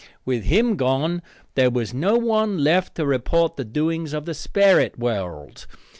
With him gone there was no one left to report the doings of the sperrit world.